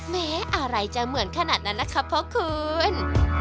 แม้อะไรจะเหมือนขนาดนั้นนะคะพ่อคุณ